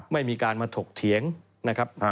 ไม่มีการมาถกเถียงนะครับ